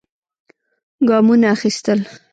ګامونه اخېستل.